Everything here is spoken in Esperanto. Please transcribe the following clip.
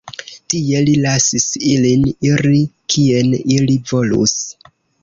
Tie li lasis ilin iri kien ili volus.